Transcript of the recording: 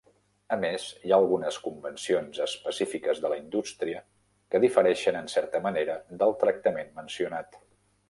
A més, hi ha algunes convencions específiques de la indústria que difereixen en certa manera del tractament mencionat.